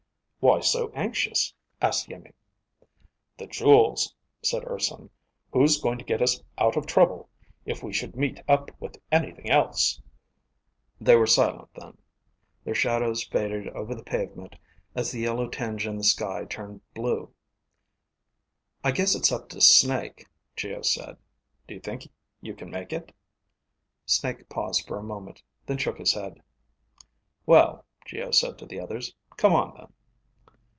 "Why so anxious?" asked Iimmi. "The jewels," said Urson. "Who's going to get us out of trouble if we should meet up with anything else?" They were silent then. Their shadows faded over the pavement as the yellow tinge in the sky turned blue. "I guess it's up to Snake," Geo said. "Do you think you can make it?" Snake paused for a moment, then shook his head. "Well," Geo said to the others, "come on then."